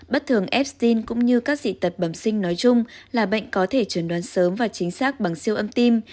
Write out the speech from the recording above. bắt thường epstein cũng như các dị tật bẩm sinh nói chung là bệnh có thể truyền đoán sớm và chính xác bằng siêu âm tim